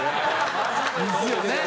ですよね？